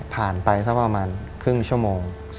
ผ่านไปส่งประมาณครึ่งชั่วโมง